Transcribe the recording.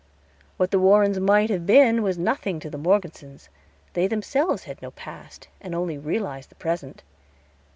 What the Warrens might have been was nothing to the Morgesons; they themselves had no past, and only realized the present.